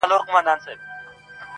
اوس پر څه دي جوړي کړي غلبلې دي!!